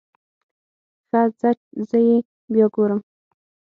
ښه ځه زه يې بيا ګورم.